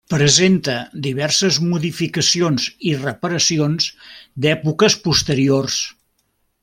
Presenta diverses modificacions i reparacions d'èpoques posteriors.